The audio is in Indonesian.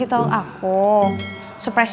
lihat besoknya aku mau ngasih tau ke aku